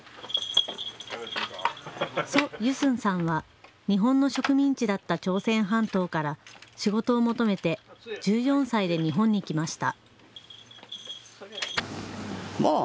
徐類順さんは日本の植民地だった朝鮮半島から仕事を求めて１４歳で日本に来ました。